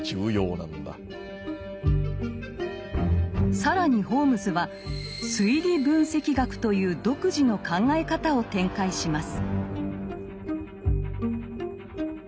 更にホームズは「推理分析学」という独自の考え方を展開します。